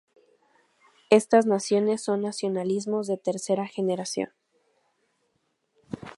Estas naciones son nacionalismos de tercera generación.